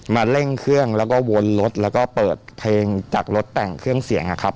เร่งเครื่องแล้วก็วนรถแล้วก็เปิดเพลงจากรถแต่งเครื่องเสียงนะครับ